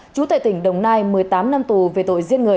chú tại tỉnh đồng nai một mươi tám năm tù về tội giết người